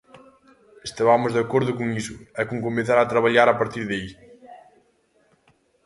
Estabamos de acordo con iso e con comezar a traballar a partir de aí.